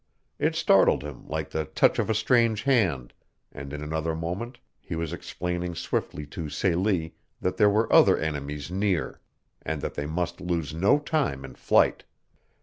It startled him like the touch of a strange hand, and in another moment he was explaining swiftly to Celie that there were other enemies near and that they must lose no time in flight.